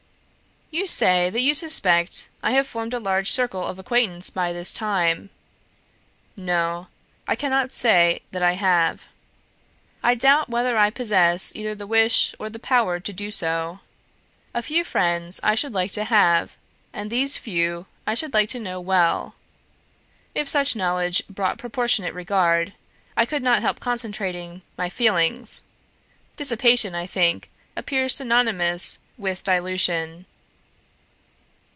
"You say that you suspect I have formed a large circle of acquaintance by this time. No: I cannot say that I have. I doubt whether I possess either the wish or the power to do so. A few friends I should like to have, and these few I should like to know well; If such knowledge brought proportionate regard, I could not help concentrating my feelings; dissipation, I think, appears synonymous with dilution.